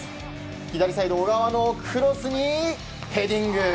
左サイド、小川のクロスにヘディング！